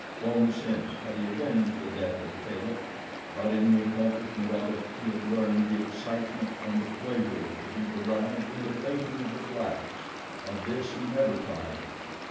Long since had he avenged the death of Kala, but in the accomplishment of it, he had learned the excitement and the pleasure to be derived from the baiting of the blacks. Of this he never tired.